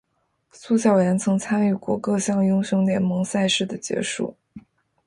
苏小妍曾参与过各项英雄联盟赛事的解说。